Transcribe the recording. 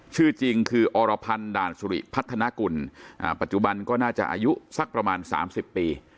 ชื่อจริงคืออรพันธ์ด่านสุริพัฒนากุลปัจจุบันก็น่าจะอายุสักประมาณ๓๐ปี